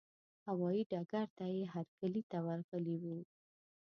هوايي ډګر ته یې هرکلي ته ورغلي وو.